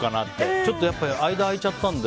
ちょっと間空いちゃったんで。